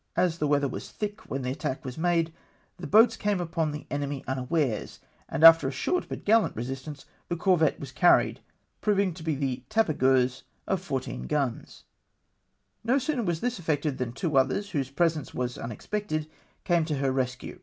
As the weather was thick when the attack was made, the boats came upon the enemy unawares, and after a short but gallant resistance, the corvette was carried, proving to be the Tapageuse of 14 guns. No sooner was this effected, than two others, whose presence was unexpected, came to her rescue.